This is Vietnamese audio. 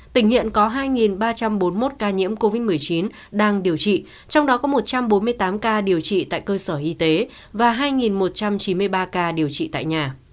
tỉnh hiện có hai ba trăm bốn mươi một ca nhiễm covid một mươi chín đang điều trị trong đó có một trăm bốn mươi tám ca điều trị tại cơ sở y tế và hai một trăm chín mươi ba ca điều trị tại nhà